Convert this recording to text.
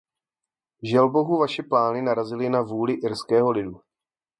Želbohu vaše plány narazily na vůli irského lidu.